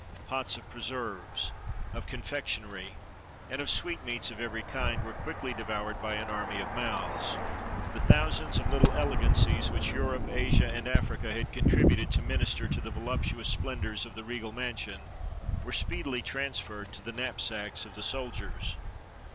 Pots of preserves, of confection ery, and of sweetmeats of every kind, were quickly devoured by an army of mouths. The thousands of little elegancies which Europe, Asia, and Africa had contributed to minister to the voluptuous splendors of the regal mansion were speedily transferred to the knap sacks of the soldiers.